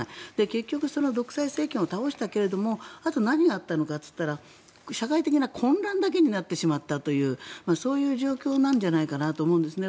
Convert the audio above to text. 結局、その独裁政権を倒したけれどもあと何があったのかといったら社会的な混乱だけになってしまったというそういう状況なんじゃないかと思うんですね。